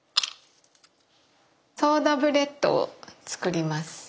ソーダブレッドを作ります。